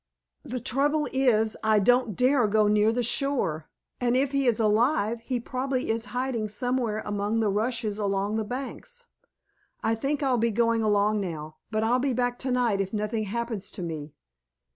The trouble is, I don't dare go near the shore, and if he is alive, he probably is hiding somewhere among the rushes along the banks. I think I'll be going along now, but I'll be back to night if nothing happens to me.